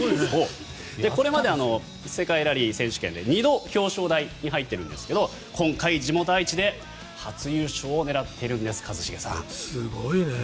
これまで世界ラリー選手権で２度勝っているんですが今回、地元・愛知で初優勝を狙っているんですすごいね。